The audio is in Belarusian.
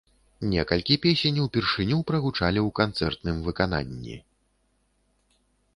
Некалькі песень упершыню прагучалі ў канцэртным выкананні.